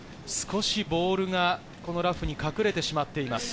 ボールがラフに隠れてしまっています。